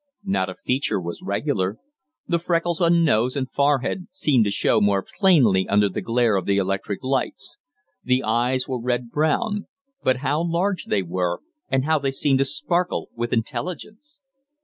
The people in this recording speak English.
Not a feature was regular; the freckles on nose and forehead seemed to show more plainly under the glare of the electric lights; the eyes were red brown. But how large they were, and how they seemed to sparkle with intelligence!